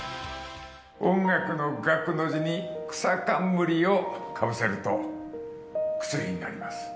音楽の楽の字に草かんむりをかぶせると薬になります。